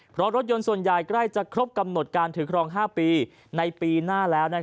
เพราะรถยนต์ส่วนใหญ่ใกล้จะครบกำหนดการถือครอง๕ปีในปีหน้าแล้ว